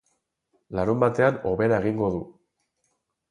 Larunbatean hobera egingo du.